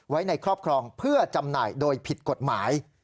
ไว้ในครอบครองเพื่อจำหน่ายโดยผิดกฎหมาย